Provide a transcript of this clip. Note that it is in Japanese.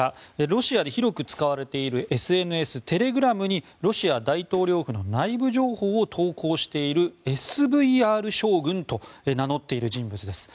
ロシアで広く使われているＳＮＳ、テレグラムにロシア大統領府の内部情報を投稿しているＳＶＲ将軍と名乗っている人物です。